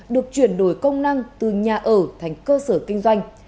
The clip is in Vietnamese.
được chuyển đổi công năng từ nhà ở thành cơ sở kinh doanh